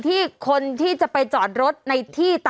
วันนี้จะเป็นวันนี้